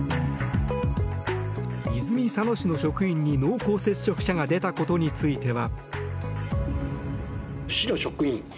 泉佐野市の職員に濃厚接触者が出たことについては。